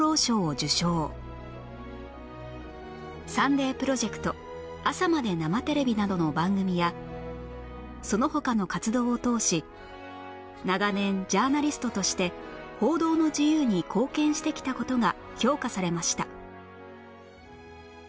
『サンデープロジェクト』『朝まで生テレビ！』などの番組やその他の活動を通し長年ジャーナリストとして報道の自由に貢献してきた事が評価されました